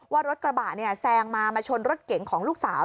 ว่ารถกระบะแซงมามาชนรถเก๋งของลูกสาว